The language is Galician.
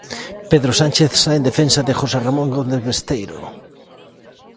Pedro Sánchez sae en defensa de José Ramón Gómez Besteiro.